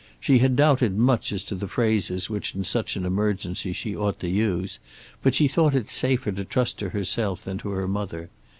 She had doubted much as to the phrases which in such an emergency she ought to use, but she thought it safer to trust to herself than to her mother.